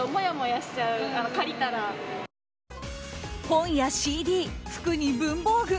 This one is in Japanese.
本やＣＤ、服に文房具。